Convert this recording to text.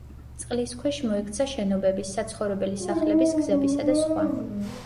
წყლის ქვეშ მოექცა შენობების, საცხოვრებელი სახლების, გზებისა და სხვა.